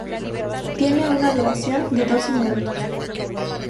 Tiene una duración de doce minutos.